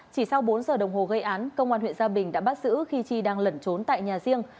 chỉ sau bốn giờ đồng hồ gây án công an huyện gia bình đã bắt giữ khi chi đang lẩn trốn tại nhà riêng